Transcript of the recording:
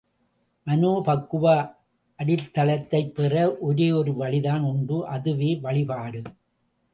மனோபக்குவ அடித்தளத்தைப் பெற ஒரேயொரு வழிதான் உண்டு அதுவே வழிபாடு.